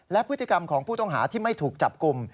และพฤติกรรมของผู้ต้องหาที่ไม่ถูกจับกลุ่ม